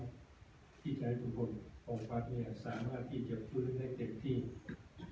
ที่จะให้ทุกคนโฟฟัสเนี่ยสามารถที่จะฟื้นให้เต็มที่